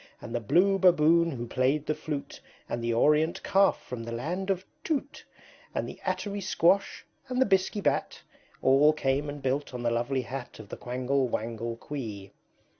And the Blue Baboon who played the flute, And the Orient Calf from the Land of Tute, And the Attery Squash, and the Bisky Bat, All came and built on the lovely Hat Of the Quangle Wangle Quee.